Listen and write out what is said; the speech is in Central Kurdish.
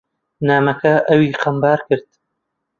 نامەکە ئەوی خەمبار کرد.